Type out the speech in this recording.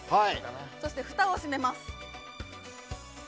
そして、ふたを閉めます。